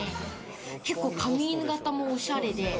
結構髪形もおしゃれで。